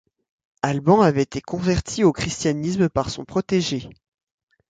Alban avait été converti au christianisme par son protégé.